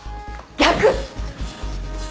逆。